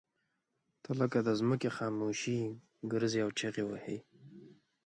ته لکه د ځمکې خاموشي ګرځې او چغې وهې.